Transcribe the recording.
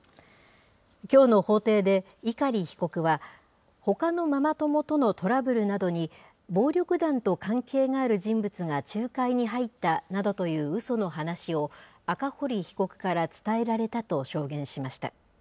きょうの法廷で碇被告は、ほかのママ友とのトラブルなどに、暴力団と関係がある人物が仲介に入ったなどといううその話を、赤堀被告から伝えられたと証言しました。